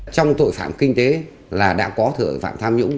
trong tội phạm kinh tế là đã có tội phạm tham nhũng